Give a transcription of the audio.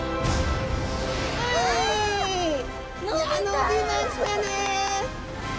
いや伸びましたね！